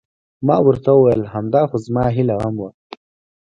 ما ورته وویل: همدا خو زما هیله هم وه.